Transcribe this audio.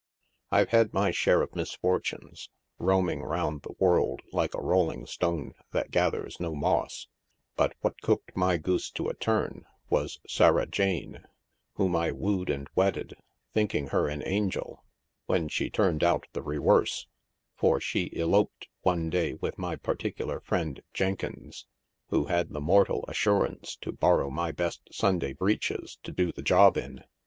I've had my share of misfortunes, roaming round the world like a rolling s'one that gathers no moss ; but what cooked my goose to a turn was Sarah Jane, whom I wooed and wedded, thinking her an angel, when she turned out the re werse, for she eloped one day with my particular friend, Jenkins, who had the mortal assurance to borrow my best Sunday breeches to do the job in.